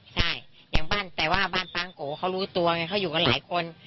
ใช่อย่างบ้านแต่ว่าบ้านปางโกเขารู้ตัวไงเขาอยู่กันหลายคน